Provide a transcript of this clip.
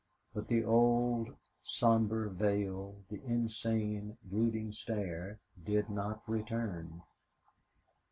But the old, somber veil, the insane, brooding stare, did not return.